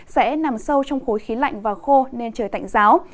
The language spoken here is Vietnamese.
sẽ nằm sâu trong khối khí lạnh và khô nên trời tạnh giáo